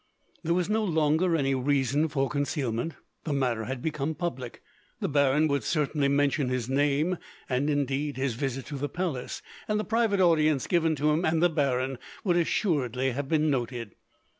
There was no longer any reason for concealment. The matter had become public. The baron would certainly mention his name, and indeed his visit to the palace, and the private audience given to him and the baron, would assuredly have been noted.